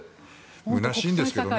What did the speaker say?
むなしいんですけどね